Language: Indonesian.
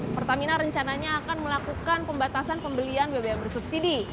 pertamina rencananya akan melakukan pembatasan pembelian bbm bersubsidi